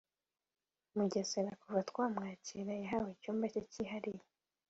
Mugesera kuva twamwakira yahawe icyumba cye cyihariye